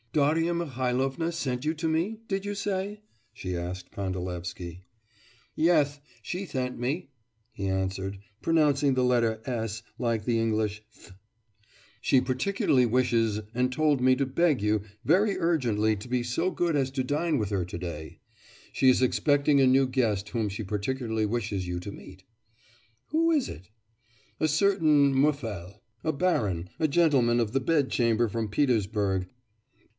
'Darya Mihailovna sent you to me, did you say?' she asked Pandalevsky. 'Yes; she sent me,' he answered, pronouncing the letter s like the English th. 'She particularly wishes and told me to beg you very urgently to be so good as to dine with her to day. She is expecting a new guest whom she particularly wishes you to meet.' 'Who is it?' 'A certain Muffel, a baron, a gentleman of the bed chamber from Petersburg.